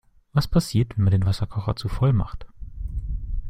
Was passiert, wenn man den Wasserkocher zu voll macht?